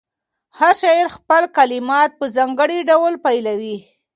هر شاعر خپل کلمات په ځانګړي ډول پیوياي.